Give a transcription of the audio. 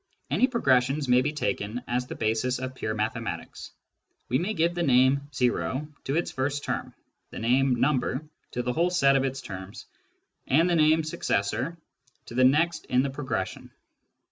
Any progression may be taken as the basis of pure mathematics : we may give the name " o " to its first term, the name " number " to the whole set of its terms, and the name " successor " to the next in the progression.